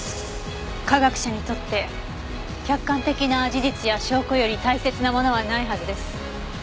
科学者にとって客観的な事実や証拠より大切なものはないはずです。